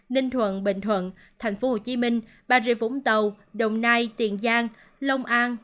ninh thuận bình thuận tp hcm bà rịa vũng tàu đồng nai tiền giang long an